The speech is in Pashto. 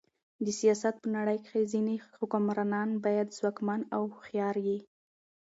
د سیاست په نړۍ کښي ځيني حکمرانان باید ځواکمن او هوښیار يي.